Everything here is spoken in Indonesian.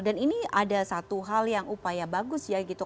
dan ini ada satu hal yang upaya bagus ya gitu